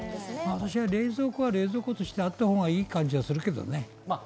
私は冷蔵庫は冷蔵庫としてあったほうがいい感じがするんだけどね。